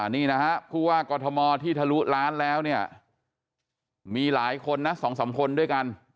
นี่นะฮะผู้ว่ากอทมที่ทะลุล้านแล้วเนี่ยมีหลายคนนะ๒๓คนด้วยกัน